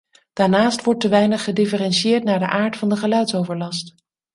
Daarnaast wordt te weinig gedifferentieerd naar de aard van de geluidsoverlast.